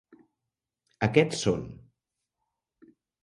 Aquests són: